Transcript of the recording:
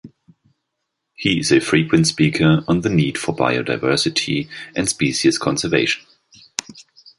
He is a frequent speaker on the need for biodiversity and species conservation.